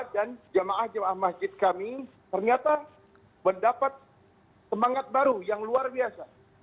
dan jemaah jemaah masjid kami ternyata mendapat semangat baru yang luar biasa